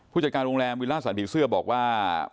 ผู้จัดการรงแรมวิทยาลาสันตร์บีซื้อบอกว่า